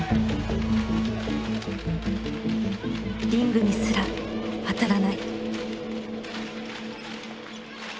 リングにすら当たらない。